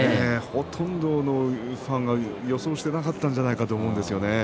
ほとんどのお客さんが予想してなかったんじゃないかと思うんですよね。